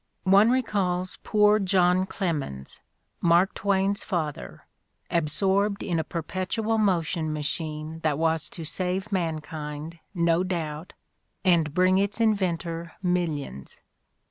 One recalls poor John Clemens, Mark Twain's father, absorbed in a perpetual motion machine that was to save mankind, no doubt, and bring its in ventor millions.